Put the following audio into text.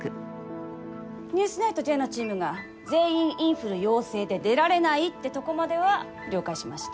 「ニュースナイトＪ」のチームが全員インフル陽性で出られないってとこまでは了解しました。